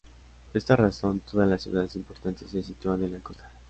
Por esta razón, todas las ciudades importantes se sitúan en la costa.